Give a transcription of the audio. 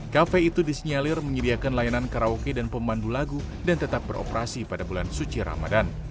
kafe itu disinyalir menyediakan layanan karaoke dan pemandu lagu dan tetap beroperasi pada bulan suci ramadan